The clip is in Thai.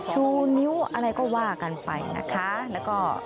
ชูนิ้วอะไรก็ว่ากันไปสมัยนะคะ